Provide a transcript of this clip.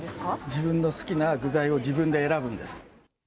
自分の好きな具材を自分で選ぶんです。